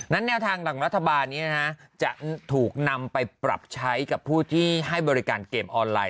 แนวทางหลังรัฐบาลนี้จะถูกนำไปปรับใช้กับผู้ที่ให้บริการเกมออนไลน